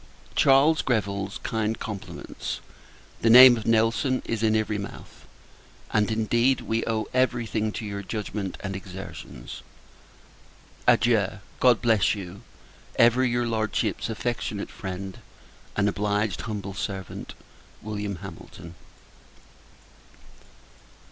Charles Greville's kind compliments. The name of Nelson is in every mouth; and, indeed, we owe every thing to your judgment and exertions. Adieu! God bless you. Ever your Lordship's affectionate friend, and obliged humble servant, Wm. HAMILTON.